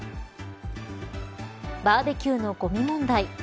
バーベキューのごみ問題。